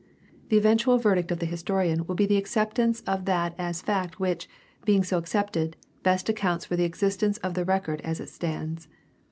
The eventual verdict of the historian will be the accept ance of that as fact which, being so accepted, best accounts for the existence of the record as it stands.